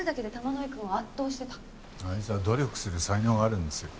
あいつは努力する才能があるんですよ。